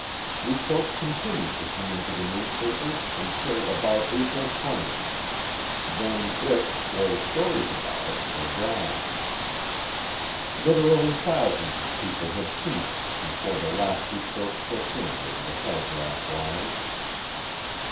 Reports continued to come in to the newspapers until about April 20; then it, or stories about it, were gone. Literally thousands of people had seen it before the last report clicked in over the telegraph wires.